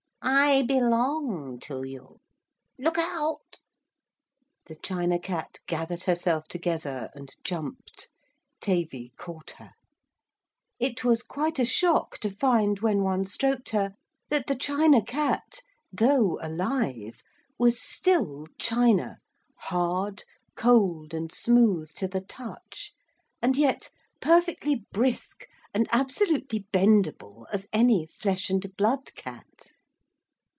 I belong to you. Look out!' The China Cat gathered herself together and jumped. Tavy caught her. It was quite a shock to find when one stroked her that the China Cat, though alive, was still china, hard, cold, and smooth to the touch, and yet perfectly brisk and absolutely bendable as any flesh and blood cat.